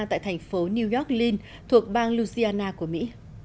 tại thành phố new york lynn thuộc bang louisiana của mỹ